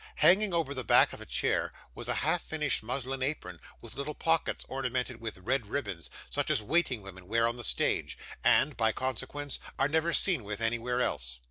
Hanging over the back of a chair was a half finished muslin apron with little pockets ornamented with red ribbons, such as waiting women wear on the stage, and (by consequence) are never seen with anywhere else.